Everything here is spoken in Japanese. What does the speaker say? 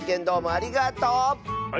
ありがとう！